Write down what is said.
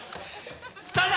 誰だ